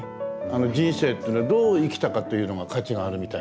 人生っていうのはどう生きたかというのが価値があるみたい。